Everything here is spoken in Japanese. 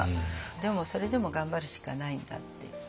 でもそれでも頑張るしかないんだっていう。